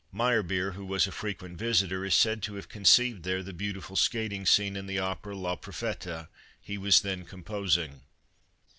Meyerbeer, who was a frequent visitor, is said to have conceived there the beautiful skating scene in the opera Le Prophet e he was then composing.